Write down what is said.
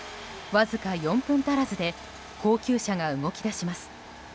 わずか４分足らずで高級車が動き出します。